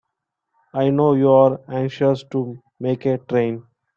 I know you're anxious to make a train.